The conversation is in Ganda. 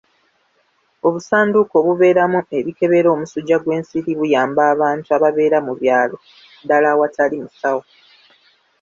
Obusanduuko obubeeramu ebikebera omusujja gw'ensiri buyamba abantu ababeera mu byalo ddaala awatali musawo.